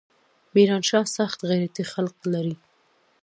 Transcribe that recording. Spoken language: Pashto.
ميرانشاه سخت غيرتي خلق لري.